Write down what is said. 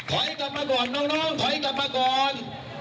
ถอยกลับมาก่อนน้องถอยกลับมาก่อน